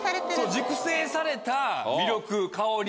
熟成された魅力香り。